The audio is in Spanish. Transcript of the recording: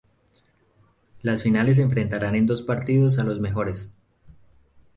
Las finales enfrentarán en dos partidos a los mejores.